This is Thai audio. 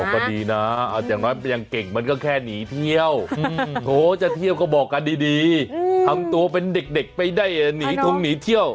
ก็ดีนะอย่างน้อยมันยังเก่งมันก็แค่หนีเที่ยวโถจะเที่ยวก็บอกกันดีทำตัวเป็นเด็กไปได้หนีทงหนีเที่ยว